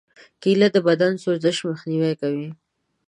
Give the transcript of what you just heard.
کېله د بدن د سوزش مخنیوی کوي.